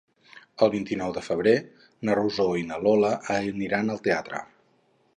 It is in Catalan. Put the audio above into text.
El vint-i-nou de febrer na Rosó i na Lola aniran al teatre.